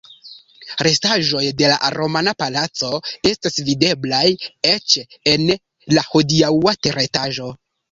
Restaĵoj de la romana palaco estas videblaj eĉ en la hodiaŭa teretaĝo.